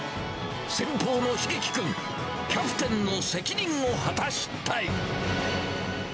先ぽうの蒼基君、キャプテンの責任を果たしたい。